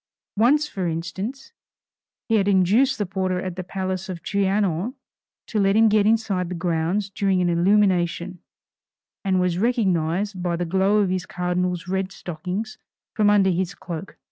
Once, for instance, he had induced the porter at the palace of the Trianon to let him get inside the grounds during an illumination, and was recognized by the glow of his cardinal's red stockings from under his cloak.